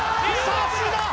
さすが！